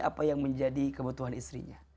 apa yang menjadi kebutuhan istrinya